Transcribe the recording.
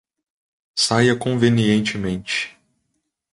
Saia convenientemente.